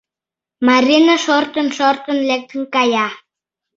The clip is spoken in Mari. — Марина шортын-шортын лектын кая...